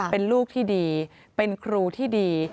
เป็นลูกที่ดีเป็นครูที่ดี